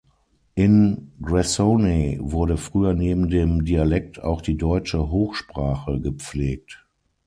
In Gressoney wurde früher neben dem Dialekt auch die deutsche Hochsprache gepflegt.